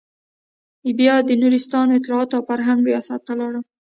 بيا د نورستان اطلاعاتو او فرهنګ رياست ته لاړم.